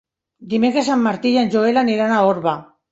Dimecres en Martí i en Joel aniran a Orba.